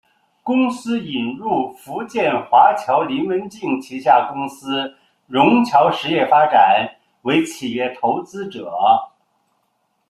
公司引入福建华侨林文镜旗下公司融侨实业发展为企业投资者。